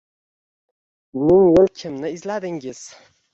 Ming yil kimni izladingiz